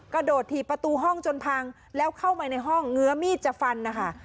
กระโดดถีบประตูห้องจนพังแล้วเข้าไปในห้องเงื้อมีดจะฟันนะคะ